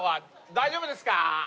大丈夫ですか？